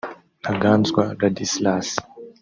Ntaganzwa Ladislas